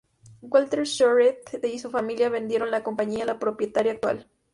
Walter Schroeder y su familia vendieron la compañía a la propietaria actual.